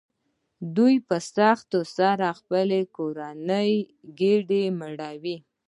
دوی په سختۍ سره د خپلې کورنۍ ګېډه مړوي